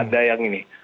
ada yang ini